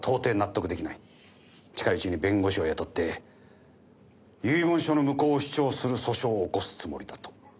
近いうちに弁護士を雇って遺言書の無効を主張する訴訟を起こすつもりだと。